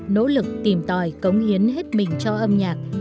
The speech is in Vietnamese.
nỗ lực tìm tòi cống hiến hết mình cho âm nhạc